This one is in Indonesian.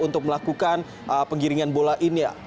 untuk melakukan penggiringan bola ini